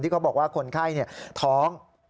เขาบอกว่าคนไข้ท้อง